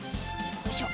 よいしょ。